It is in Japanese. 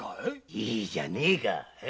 いいじゃねぇか。